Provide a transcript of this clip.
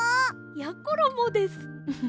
やころもです。